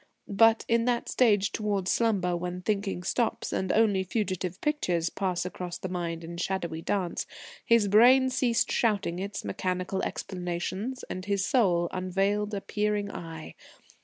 But, in that stage towards slumber when thinking stops, and only fugitive pictures pass across the mind in shadowy dance, his brain ceased shouting its mechanical explanations, and his soul unveiled a peering eye.